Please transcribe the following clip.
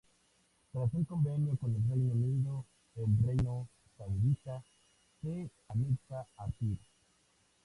Tras un convenio con el Reino Unido, el reino saudita se anexa Asir.